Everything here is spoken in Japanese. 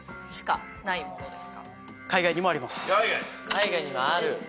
海外にもある。